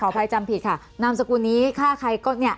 อภัยจำผิดค่ะนามสกุลนี้ฆ่าใครก็เนี่ย